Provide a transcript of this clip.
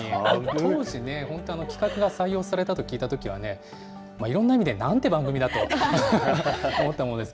当時、本当に企画が採用されたと聞いたときは、いろんな意味でなんて番組だと思ったものです。